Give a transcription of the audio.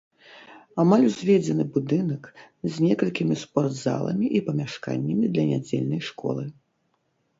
Амаль узведзены будынак, з некалькімі спортзаламі і памяшканнямі для нядзельнай школы.